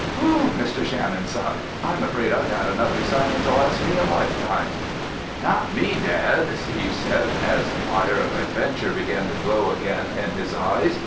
"Whew!" Mr. Shannon sighed. "I'm afraid I've had enough excitement to last me a lifetime!" "Not me, Dad," Steve said, as the fire of adventure began to glow again in his eyes.